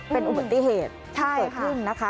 เป็นอุบัติเหตุเกิดขึ้นนะคะ